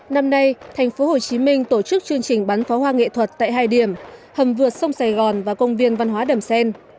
năm nay tp hcm tổ chức chương trình bắn pháo hoa nghệ thuật tại hai điểm hầm vượt sông sài gòn và công viên văn hóa đầm xen